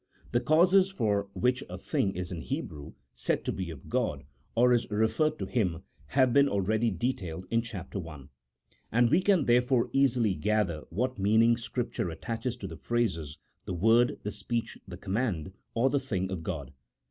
The causes for which a thing is in Hebrew said to be of God, or is referred to Him, have been already detailed in Chap. I., and we can therefrom easily gather what meaning Scripture attaches to the phrases, the word, the speech, the command, or the thing of God.